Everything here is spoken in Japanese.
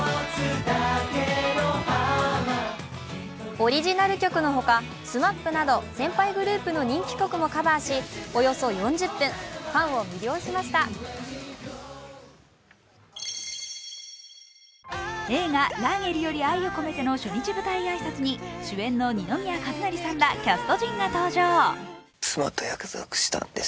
オリジナル曲のほか、ＳＭＡＰなど先輩グループの人気曲もカバーし、およそ４０分、ファンを魅了しました映画「ラーゲリより愛を込めて」の初日舞台挨拶に主演の二宮和也さんらキャスト陣が登場。